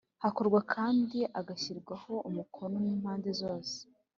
Hakorwa kandi agashyirwaho umukono n’ impande zose